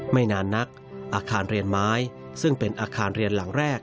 ไม่นานนักอาคารเรียนไม้ซึ่งเป็นอาคารเรียนหลังแรก